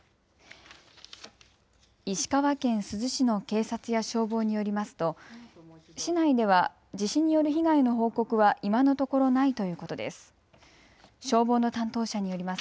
石川県珠洲市の警察や消防によりますと市内では地震による被害の報告は今のところないということです。